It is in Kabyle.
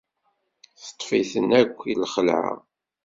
Teṭṭef-iten akk lxelɛa.